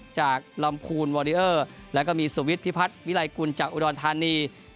จากลำคูณวอริเออร์แล้วก็มีสุวิทย์พิพัฒน์วิลัยกุลจากอุดรธานี